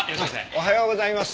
おはようございます。